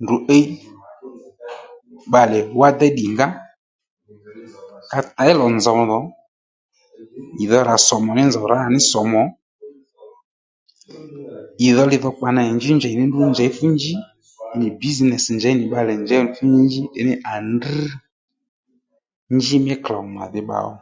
Ndrǔ íy bbalè wá déy ddǐngǎ ka těy lò nzòw dhò ì dho rà sòmù ò nì nzòw rǎ sòmù ò ì dho li dhokpa nà nì njí njèy nì ndrǔ njěy fú njí ì nì bǐzìnès njěy nì ndrǔ njěwò ní à nì jǐ à drŕ njí mí klôw màdhí bba ó